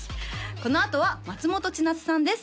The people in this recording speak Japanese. このあとは松本千夏さんです